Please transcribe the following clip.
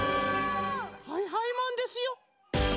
はいはいマンですよ！